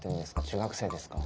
中学生ですか？